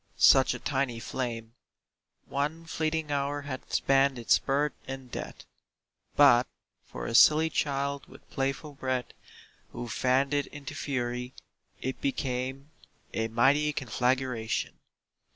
such a tiny flame— One fleeting hour had spanned its birth and death, But for a silly child with playful breath Who fanned it into fury. It became A mighty conflagration.